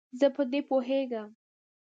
زه په دې پوهیږم.